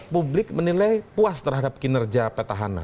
publik menilai puas terhadap kinerja petahana